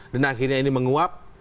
dan akhirnya ini menguap